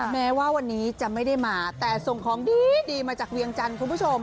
แม้ว่าวันนี้จะไม่ได้มาแต่ส่งของดีมาจากเวียงจันทร์คุณผู้ชม